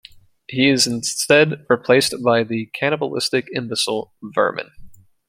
He is instead replaced by the cannibalistic imbecile, Vermin.